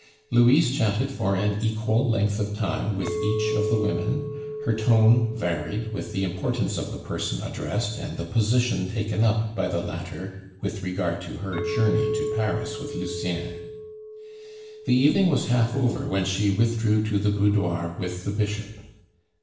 Louise chatted for an equal length of time with each of the women; her tone varied with the importance of the person addressed and the position taken up by the latter with regard to her journey to Paris with Lucien. The evening was half over when she withdrew to the boudoir with the Bishop.